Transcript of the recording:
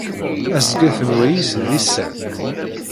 Asget n wayyis d isan.